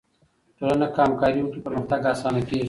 ټولنه که همکاري وکړي، پرمختګ آسانه کیږي.